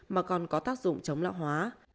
mà còn có tác dụng chống lão hóa